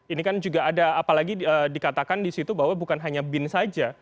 ini kan juga ada apalagi dikatakan di situ bahwa bukan hanya bin saja